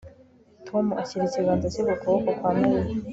Tom ashyira ikiganza cye ku kuboko kwa Mariya